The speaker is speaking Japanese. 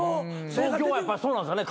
東京はやっぱそうなんすかね